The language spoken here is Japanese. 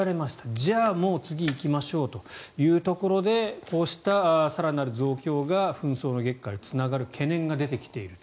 じゃあ次に行きましょうというところでこうした更なる増強が紛争激化につながる懸念も出てきていると。